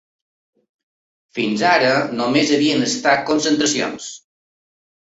Fins ara només havien estat concentracions.